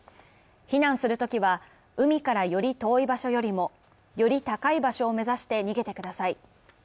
避難するときは、海からより遠い場所よりもより高い場所を目指して逃げてください。